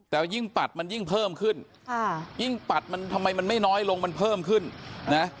แต่ยิ่งปัดมันยิ่งเพิ่มขึ้นค่ะยิ่งปัดมันทำไมมันไม่น้อยลงมันเพิ่มขึ้นนะ